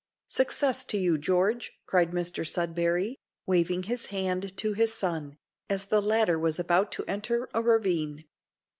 "Success to you, George," cried Mr Sudberry, waving his hand to his son, as the latter was about to enter a ravine.